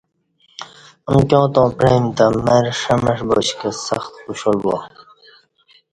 امکیاں تاوں پعئیم تہ مر ݜمݜ باش کہ سخت خوشحال با